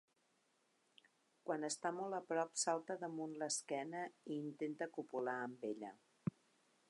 Quan està molt a prop salta damunt l'esquena i intenta copular amb ella.